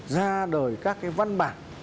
ra đời các cái văn bản